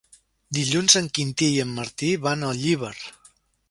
Dilluns en Quintí i en Martí van a Llíber.